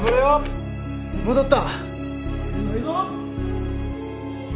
戻った。